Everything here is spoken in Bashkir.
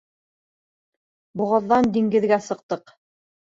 Боғаҙҙан диңгеҙгә сыҡтыҡ.